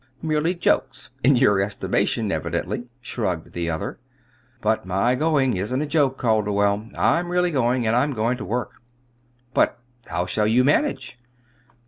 "'Merely Jokes' in your estimation, evidently," shrugged the other. "But my going isn't a joke, Calderwell. I'm really going. And I'm going to work." "But how shall you manage?"